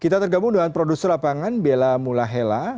kita tergabung dengan produser lapangan bella mulahela